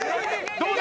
どうだ？